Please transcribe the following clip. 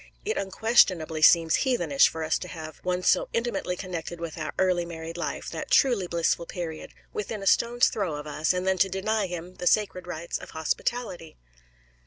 It unquestionably seems heathenish for us to have one so intimately connected with our early married life that truly blissful period within a stone's throw of us, and then to deny him the sacred rites of hospitality."